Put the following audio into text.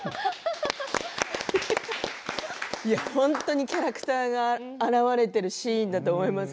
いや本当にキャラクターが表れているシーンだと思います。